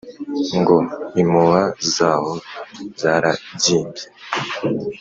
ngo impuha zaho zaragimbye